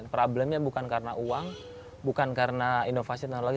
problemnya bukan karena uang bukan karena inovasi teknologi